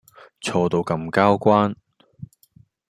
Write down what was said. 錯到咁交關